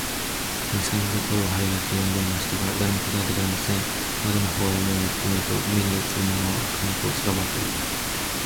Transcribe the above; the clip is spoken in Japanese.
二三度声を張り上げて呼んでみましたが、誰も答えてくれません。窓の方へ目をやって見ると、目にうつるものは雲と空ばかり、